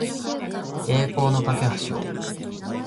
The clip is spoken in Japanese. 栄光の架橋を